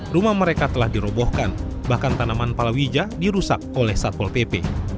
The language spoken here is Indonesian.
rumah mereka telah dirobohkan bahkan tanaman palawija dirusak oleh satpol pp